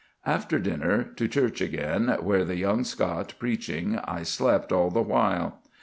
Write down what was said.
"After dinner, to church again, where the young Scot preaching, I slept all the while."